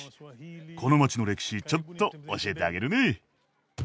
この街の歴史ちょっと教えてあげるね。